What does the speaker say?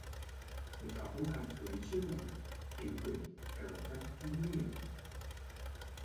The couple had three children: Ingrid, Erika, and Leo.